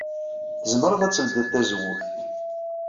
Tzemreḍ ad tledyeḍ tazewwut.